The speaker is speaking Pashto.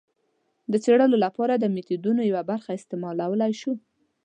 د څېړلو لپاره د میتودونو یوه برخه استعمالولای شو.